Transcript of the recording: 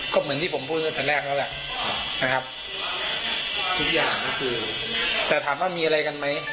ก็เหมือนที่ผมพูดตั้งแต่แรกแล้วแหละนะครับทุกอย่างก็คือแต่ถามว่ามีอะไรกันไหม